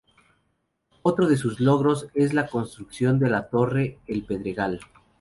Otro de sus logros, es la construcción de la Torre El Pedregal.